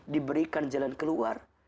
diberikan jalan keluar